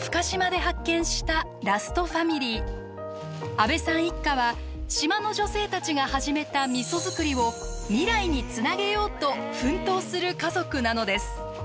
安部さん一家は島の女性たちが始めたみそ造りを未来につなげようと奮闘する家族なのです。